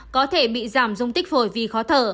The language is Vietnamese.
có thể bị giảm dung tích phổi vì khó thở